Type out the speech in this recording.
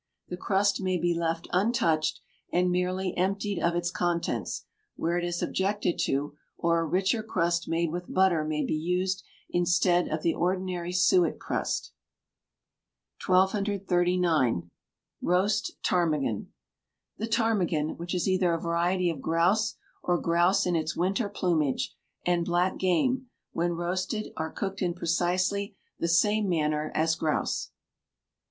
The crust may he left untouched and merely emptied of its contents, where it is objected to, or a richer crust made with butter may be used instead of the ordinary suet crust. 1239. Roast Ptarmigan. The ptarmigan, which is either a variety of grouse or grouse in its winter plumage, and black game, when roasted, are cooked in precisely the same manner as grouse.